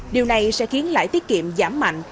điều này sẽ khiến lãi tiết kiệm giảm mạnh